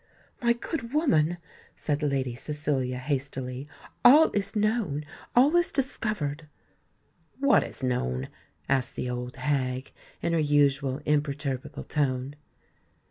"My good woman," said Lady Cecilia hastily, "all is known—all is discovered!" "What is known?" asked the old hag, in her usual imperturbable tone.